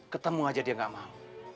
ketemu aja dia gak mau